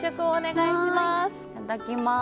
いただきます。